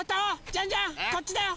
ジャンジャンこっちだよ！